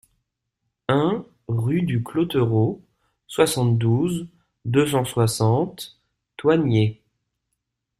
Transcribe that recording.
un rue du Clotereau, soixante-douze, deux cent soixante, Thoigné